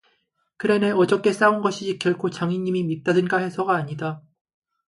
그래 내 어저께 싸운 것이지 결코 장인님이 밉다든가 해서가 아니다.